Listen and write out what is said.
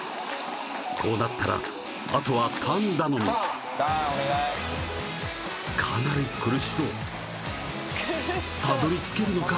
こうなったらあとはターン頼みターンお願いかなり苦しそうたどり着けるのか？